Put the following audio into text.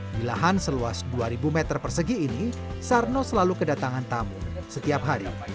di lahan seluas dua ribu meter persegi ini sarno selalu kedatangan tamu setiap hari